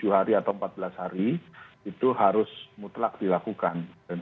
tujuh hari atau empat belas hari itu harus mutlak dilakukan